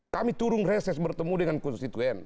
kami turun reses bertemu dengan konstituen